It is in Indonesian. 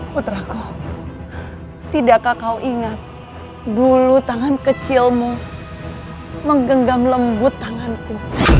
putraku tidakkah kau ingat bulu tangan kecilmu menggenggam lembut tanganku